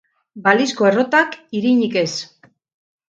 Balizko errotak, irinik ez.